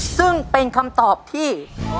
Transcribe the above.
ซึ่งเป็นคำตอบที่